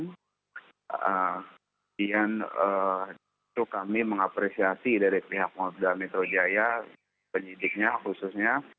kemudian itu kami mengapresiasi dari pihak polda metro jaya penyidiknya khususnya